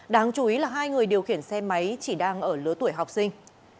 đáng chú ý là hai người điều khiển xe máy chỉ đang ở lứa tuổi học sinh